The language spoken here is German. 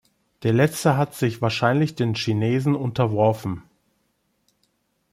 Der letzte hat sich wahrscheinlich den Chinesen unterworfen.